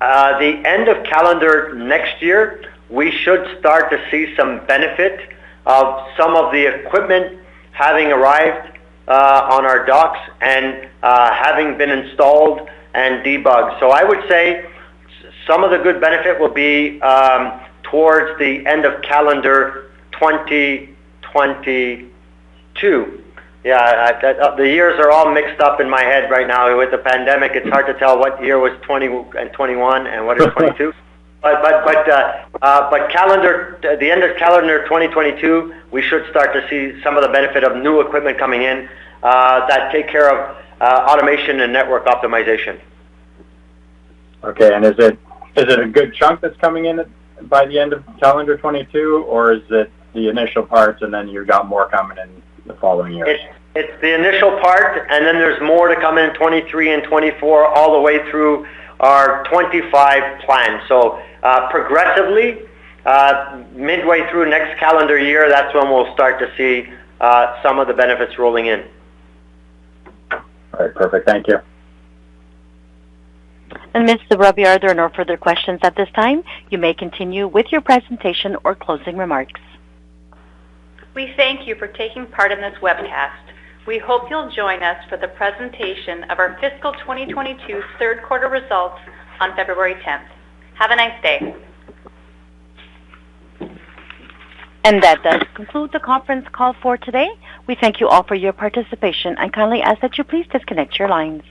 the end of calendar next year, we should start to see some benefit of some of the equipment having arrived on our docks and having been installed and debugged. I would say some of the good benefit will be towards the end of calendar 2022. The years are all mixed up in my head right now. With the pandemic, it's hard to tell what year was 2020 and 2021 and what is 2022. The end of calendar 2022, we should start to see some of the benefit of new equipment coming in that take care of automation and network optimization. Okay. Is it a good chunk that's coming in by the end of calendar 2022, or is it the initial parts and then you've got more coming in the following year? It's the initial part, and then there's more to come in 2023 and 2024, all the way through our 2025 plan. Progressively, midway through next calendar year, that's when we'll start to see some of the benefits rolling in. All right. Perfect. Thank you. Ms. Robillard, there are no further questions at this time. You may continue with your presentation or closing remarks. We thank you for taking part in this webcast. We hope you'll join us for the presentation of our fiscal 2022 third quarter results on February 10. Have a nice day. That does conclude the conference call for today. We thank you all for your participation and kindly ask that you please disconnect your lines.